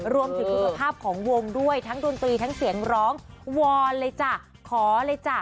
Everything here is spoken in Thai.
รวมถึงสุขภาพของวงด้วยทั้งดนตรีทั้งเสียงร้องวอนเลยจ้ะขอเลยจ้ะ